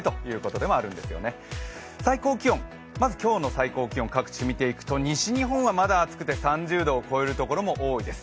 最高気温、各地を見ていくと西日本はまだ暑くて３０度を超えるところも多いです。